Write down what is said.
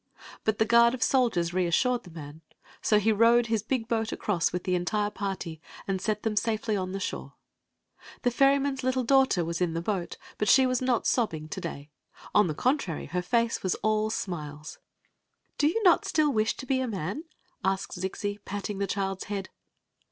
But the guard of soldiers reassured the man ; so he rowed his big boat across with the entire party, and set them safely on the ' shore. Tim ferryman's litde dau|^ter was in the m Queen Zixi of Ix; or, the boat, but ihe was not sobbing to day. On the con trary, her face was all smiles. "Do you not still wish to be a man?" asked Zixi, patting the child's head.